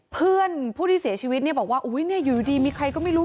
เพื่อนผู้ที่เสียชีวิตเนี่ยบอกว่าอยู่ดีมีใครก็ไม่รู้